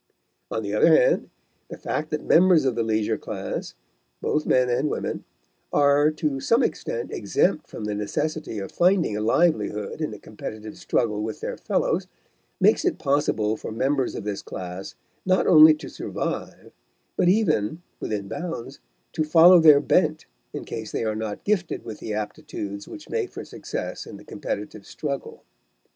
On the other hand, the fact that members of the leisure class, both men and women, are to some extent exempt from the necessity of finding a livelihood in a competitive struggle with their fellows, makes it possible for members of this class not only to survive, but even, within bounds, to follow their bent in case they are not gifted with the aptitudes which make for success in the competitive struggle.